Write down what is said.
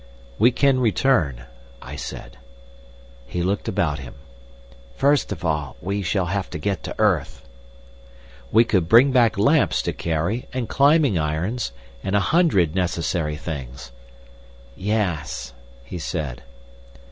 "We can return," I said. He looked about him. "First of all we shall have to get to earth." "We could bring back lamps to carry and climbing irons, and a hundred necessary things." "Yes," he said.